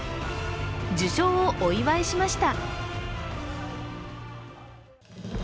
受賞をお祝いしました。